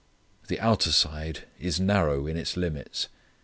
The outer side is narrow in its limits.